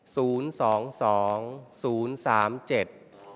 ศูนย์สองสองศูนย์สามเจ็ด